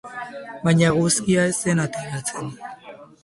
Baina eguzkia ez zen ateratzen.